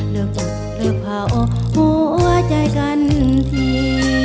เลือกเลือกเผาหัวใจกันที